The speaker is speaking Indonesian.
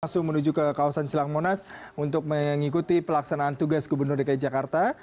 langsung menuju ke kawasan silang monas untuk mengikuti pelaksanaan tugas gubernur dki jakarta